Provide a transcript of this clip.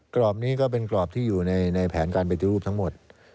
กรอบนี้ก็เป็นกรอบที่อยู่ในแผนการปฏิรูปทั้งหมด